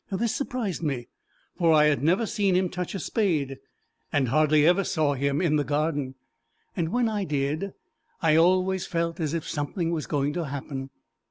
This surprised me, for I had never seen him touch a spade, and hardly ever saw him in the garden: when I did, I always felt as if something was going to happen.